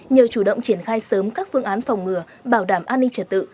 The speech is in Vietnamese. nhờ chủ động triển khai sớm các phương án phòng ngừa bảo đảm an ninh trật tự